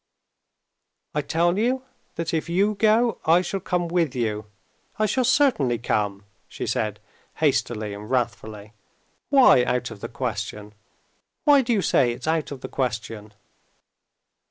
"I tell you, that if you go, I shall come with you; I shall certainly come," she said hastily and wrathfully. "Why out of the question? Why do you say it's out of the question?"